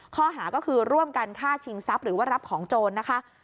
ข้อหาก็คือร่วมกันฆ่าชิงทรัพย์หรือว่ารับของโจรนะคะ